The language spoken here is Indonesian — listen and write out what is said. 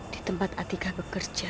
di tempat atika bekerja